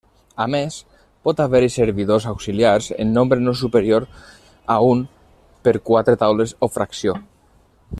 A més pot haver-hi servidors auxiliars en nombre no superior a un per quatre taules o fracció.